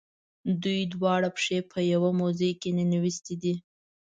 دوی دواړه پښې په یوه موزه کې ننویستي دي.